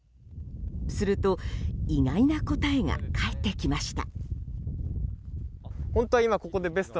すると意外な答えが返ってきました。